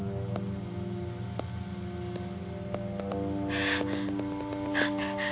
えっ？何で？